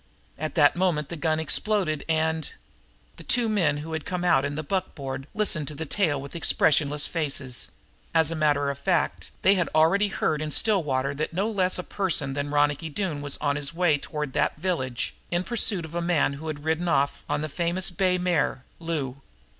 At that moment the gun exploded and The two men who had come out in the buckboard listened to the tale with expressionless faces. As a matter of fact they had already heard in Stillwater that no less a person than Ronicky Doone was on his way toward that village in pursuit of a man who had ridden off on the famous bay mare, Lou.